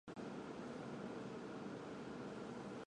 辛毗后来跟随曹操。